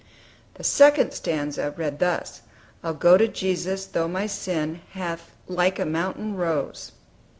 The second stanza read thus: "I'll go to Jesus, though my sin Hath like a mountain rose."